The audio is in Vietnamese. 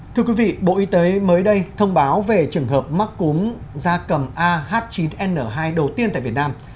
thưa quý vị bộ y tế mới đây thông báo về trường hợp mắc cúm da cầm ah chín n hai đầu tiên tại việt nam